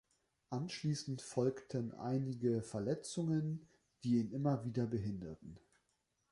Anschließend folgten einige Verletzungen, die ihn immer wieder behinderten.